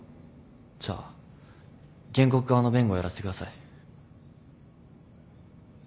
じゃあ原告側の弁護をやらせてください。